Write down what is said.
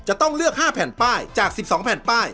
จะต้องเลือก๕แผ่นป้ายจาก๑๒แผ่นป้าย